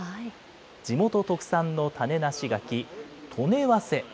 地元特産の種なし柿、刀根早生。